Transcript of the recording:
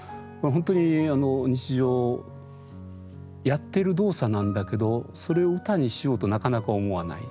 本当に日常やってる動作なんだけどそれを歌にしようとなかなか思わない。